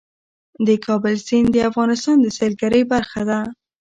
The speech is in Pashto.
د کابل سیند د افغانستان د سیلګرۍ برخه ده.